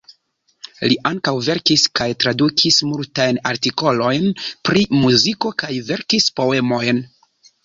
Li ankaŭ verkis kaj tradukis multajn artikolojn pri muziko kaj verkis poemojn.